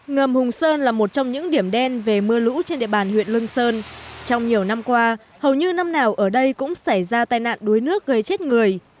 ngầm hùng sơn là một trong những điểm đen về mưa lũ trên địa bàn huyện lương sơn trong nhiều năm qua hầu như năm nào ở đây cũng xảy ra tai nạn đuối nước gây chết người